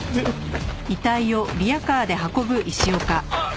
あっ。